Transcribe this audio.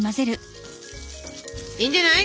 いいんじゃない？